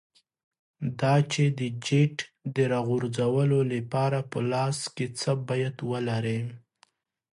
دا چې د جیټ د راغورځولو لپاره په لاس کې څه باید ولرې.